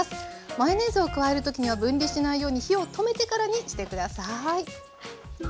マヨネーズを加える時には分離しないように火を止めてからにして下さい。